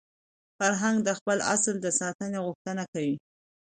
فرهنګ د خپل اصل د ساتني غوښتنه کوي.